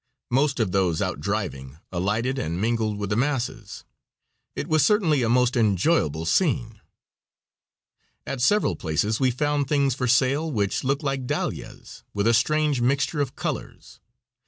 Most of those out driving alighted and mingled with the masses, it was certainly a most enjoyable scene. At several places we found things for sale which looked like dahlias, with a strange mixture of colors.